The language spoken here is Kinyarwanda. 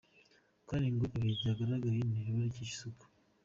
Kandi ngo ibuye ryagaragaye ntiriba ricyishe isuka….”